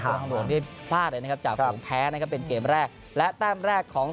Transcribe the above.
ทางหลวงนี่พลาดเลยนะครับจากภูมิแพ้นะครับเป็นเกมแรกและแต้มแรกของ